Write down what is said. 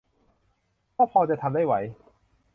ก็พอจะทำได้ไหว